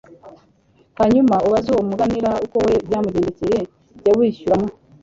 Hanyuma ubaze uwo muganira uko we byamugeIteme Jya wishyira mu